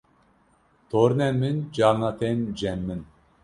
tornên min carna tên cem min